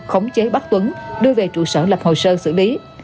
khống chế bắt tuấn đưa về trụ sở lập hồ sơ xử lý